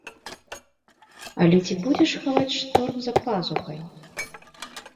Але ці будзеш хаваць шторм за пазухай?